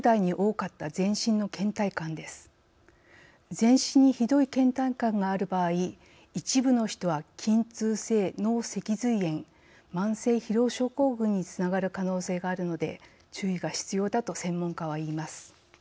全身にひどいけん怠感がある場合一部の人は筋痛性脳脊髄炎慢性疲労症候群につながる可能性があるので注意が必要だと専門家は言います。